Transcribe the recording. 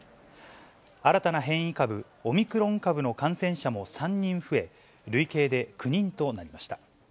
新たな変異株、オミクロン株の感染者も３人増え、累計で９人となりました。